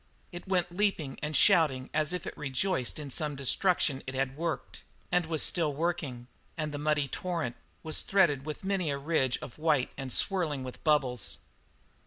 It went leaping and shouting as if it rejoiced in some destruction it had worked and was still working, and the muddy torrent was threaded with many a ridge of white and swirling with bubbles.